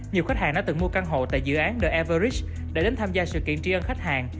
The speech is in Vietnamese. nhiều khách hàng đã từng mua căn hộ tại dự án the everrit để đến tham gia sự kiện tri ân khách hàng